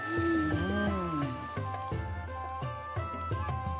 うん。